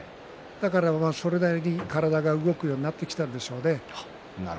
それなりに体が動くようになってきたんでしょうね。